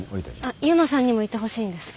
あっ悠磨さんにもいてほしいんです。